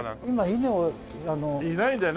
稲ないんだよね。